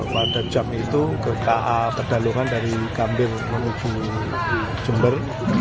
pada jam itu ke ka pedalungan dari kambil menuju jember